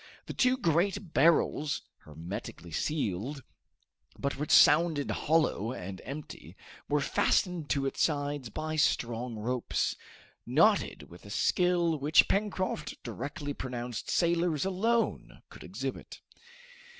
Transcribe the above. The two great barrels, hermetically sealed, but which sounded hollow and empty, were fastened to its sides by strong ropes, knotted with a skill which Pencroft directly pronounced sailors alone could exhibit.